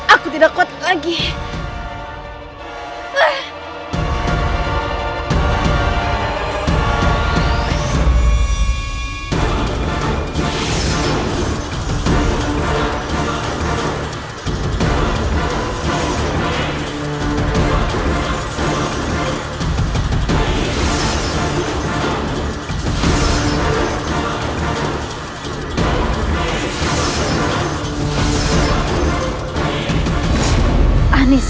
aku tidak kuat lagi